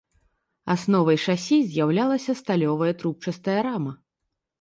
Асновай шасі з'яўлялася сталёвая трубчастая рама.